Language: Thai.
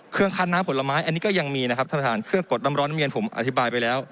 คัดน้ำผลไม้อันนี้ก็ยังมีนะครับท่านประธานเครื่องกดน้ำร้อนเมียนผมอธิบายไปแล้ว